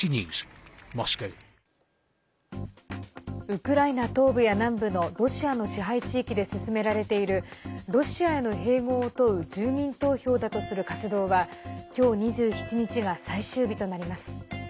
ウクライナ東部や南部のロシアの支配地域で進められているロシアへの併合を問う住民投票だとする活動は今日２７日が最終日となります。